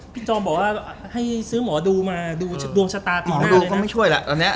พี่จองบอกว่าซื้อหมอดูมาดวงชะตาตีหน้า